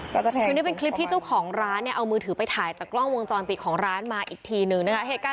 คือนี่เป็นคลิปที่เจ้าของร้านเนี่ยเอามือถือไปถ่ายจากกล้องวงจรปิดของร้านมาอีกทีนึงนะคะ